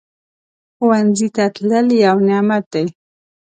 ښوونځی ته تلل یو نعمت دی